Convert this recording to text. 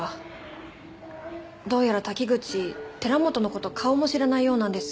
どうやら滝口寺本の事顔も知らないようなんです。